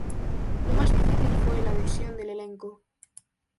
Lo más difícil fue la decisión del elenco.